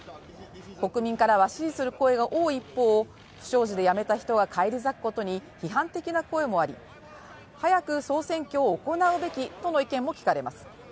国民からは支持する声が多い一方不祥事で辞めた人が返り咲くことに批判的な声もあり、早く総選挙を行うべきとの意見も聞かれます。